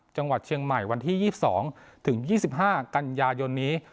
จังหวัดเชียงใหม่วันที่๒๒ถึง๒๕กันยายนนี้